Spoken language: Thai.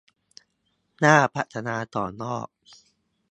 น่าพัฒนาต่อยอด